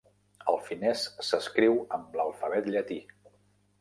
El finès s'escriu amb l'alfabet llatí.